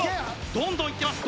どんどんいってます